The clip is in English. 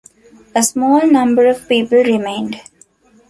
A small number of people remained.